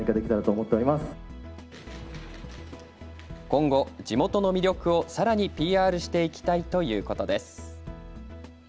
今後、地元の魅力をさらにＰＲしていきたいということです。